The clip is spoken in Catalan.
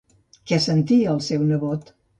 Què sentia el seu nebot?